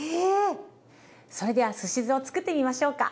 それではすし酢をつくってみましょうか。